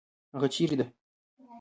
هغه چیرې ده؟